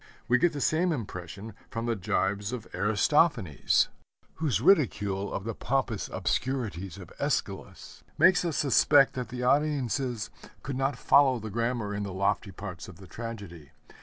We get the same impression from the jibes of Aristophanes, whose ridicule of the pompous obscurity of Æschylus makes us suspect that the audiences could not follow the grammar in the lofty parts of the tragedy.